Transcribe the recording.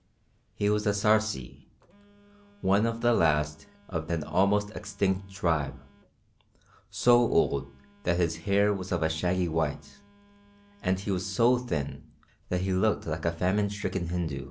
He was a Sarcee, one of the last of an almost extinct tribe, so old that his hair was of a shaggy white, and he was so thin that he looked like a famine stricken Hindu.